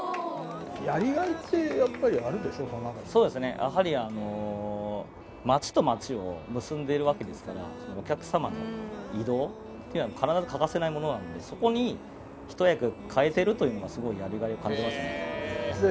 やりがいって、やっぱりあるそうですね、やはり、町と町を結んでるわけですから、お客様の移動には必ず欠かせないものなので、そこに一役買えてるというのが、すごいやりがいを感じますね。